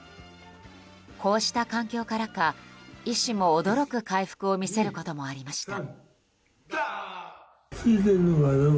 こうした環境からか医師も驚く回復を見せることもありました。